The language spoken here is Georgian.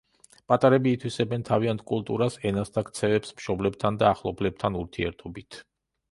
პატარები ითვისებენ თავიანთ კულტურას, ენას და ქცევებს მშობლებთან და ახლობლებთან ურთიერთობით.